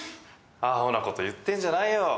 アホなこと言ってんじゃないよ